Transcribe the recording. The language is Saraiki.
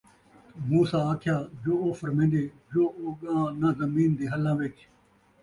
مُوسیٰ آکھیا ، جو او فرمیندے، جو او ڳاں نہ زمین دے ہَلّاں وِچ